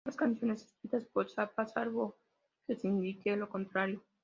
Todas las canciones escritas por Zappa, salvo que se indique lo contrario.